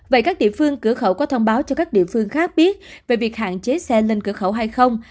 vậy các địa phương cửa khẩu có thông báo cho các địa phương khác biết về việc hạn chế xe lên cửa khẩu hay không